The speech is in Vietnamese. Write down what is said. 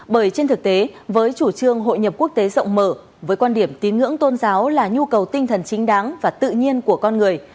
bởi trên thực tế với chủ trương hội nhập quốc tế rộng mở với quan điểm tín ngưỡng tôn giáo là nhu cầu tinh thần chính đáng và tự nhiên của con người